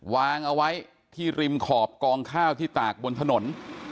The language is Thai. วางเอาไว้ที่ริมขอบกองข้าวที่ตากบนถนน